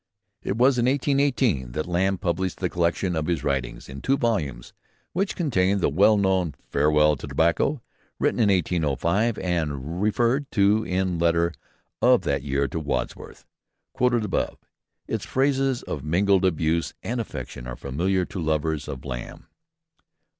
It was in 1818 that Lamb published the collection of his writings, in two volumes, which contained the well known "Farewell to Tobacco," written in 1805, and referred to in the letter of that year to Wordsworth quoted above. Its phrases of mingled abuse and affection are familiar to lovers of Lamb.